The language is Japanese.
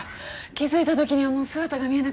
気づいた時にはもう姿が見えなくて。